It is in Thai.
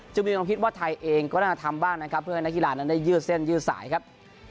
มีความคิดว่าไทยเองก็น่าจะทำบ้างนะครับเพื่อให้นักกีฬานั้นได้ยืดเส้นยืดสายครับ